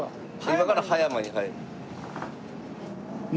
今から葉山に入る。